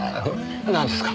なんですか？